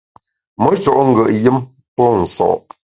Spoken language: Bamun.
Me sho’ ngùet yùm pô nso’.